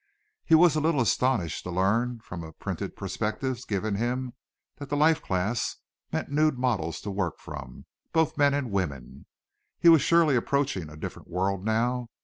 He was a little astonished to learn from a printed prospectus given him that the life class meant nude models to work from both men and women. He was surely approaching a different world now.